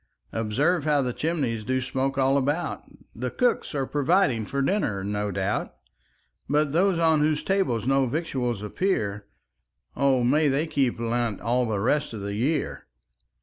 Observe how the chimneys Do smoke all about; The cooks are providing For dinner, no doubt; But those on whose tables No victuals appear, O may they keep Lent All the rest of the year.